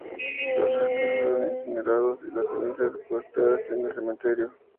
Sus restos fueron incinerados, y las cenizas depositadas en el Cementerio Hollywood Forever.